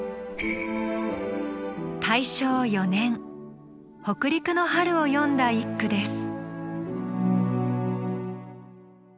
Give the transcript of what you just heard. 大正４年北陸の春を詠んだ一句です。